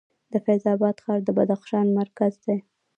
د فیض اباد ښار د بدخشان مرکز دی